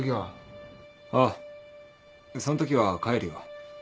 ああそんときは帰るよ。